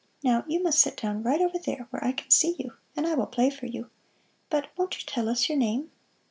Now, you must sit down right over there where I can see you, and I will play for you. But won't you tell us your name?"